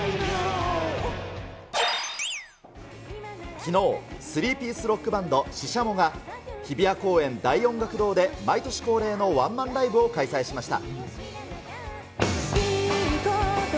きのう、３ピースロックバンド、シシャモが、日比谷公園大音楽堂で、毎年恒例のワンマンライブを開催しました。